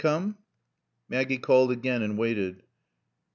Maggie called again and waited.